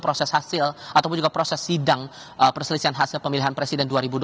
proses hasil ataupun juga proses sidang perselisihan hasil pemilihan presiden